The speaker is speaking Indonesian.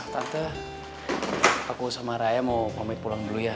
tante aku sama raya mau pamit pulang dulu ya